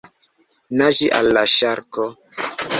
Naĝi al la ŝarko!